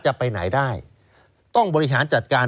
จะไปไหนได้ต้องบริหารจัดการ